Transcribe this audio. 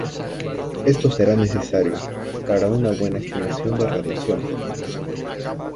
Esto será necesario para una buena estimación de radiación.